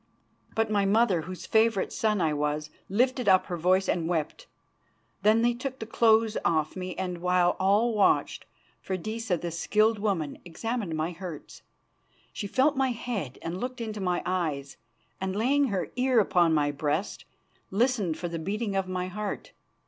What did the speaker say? But my mother, whose favourite son I was, lifted up her voice and wept. Then they took the clothes from off me, and, while all watched, Freydisa, the skilled woman, examined my hurts. She felt my head and looked into my eyes, and laying her ear upon my breast, listened for the beating of my heart.